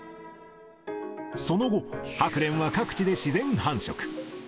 その後、ハクレンは各地で自然繁殖。